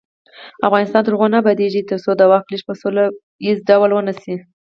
افغانستان تر هغو نه ابادیږي، ترڅو د واک لیږد په سوله ییز ډول ونشي.